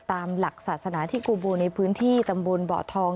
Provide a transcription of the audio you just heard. ตามหลักศาสนาที่กูบูในพื้นที่ตำบลบ่อทอง